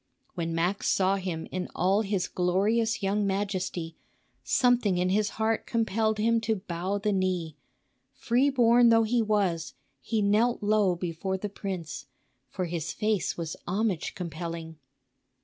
When Max saw him in all his glorious young majesty, something in his heart compelled him to bow the knee; free born though he was, he knelt low before the prince, for his face was homage compelling.